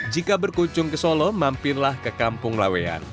jika berkunjung ke solo mampirlah ke kampung laweyan